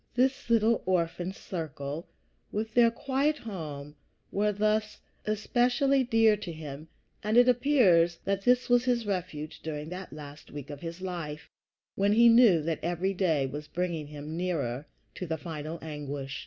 This little orphan circle, with their quiet home, were thus especially dear to him, and it appears that this was his refuge during that last week of his life, when he knew that every day was bringing him nearer to the final anguish.